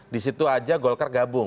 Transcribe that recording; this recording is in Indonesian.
disitu aja golkar gabung